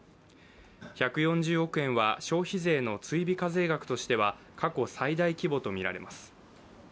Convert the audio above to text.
１４０億円は消費税の追徴課税額としては過去最大規模とみられます。